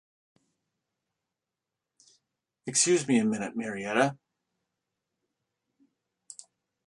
Excuse me a minute, Marietta.